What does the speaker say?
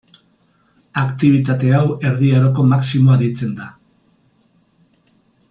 Aktibitate hau Erdi Aroko Maximoa deitzen da.